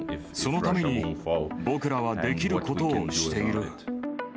そのために僕らはできることをしている。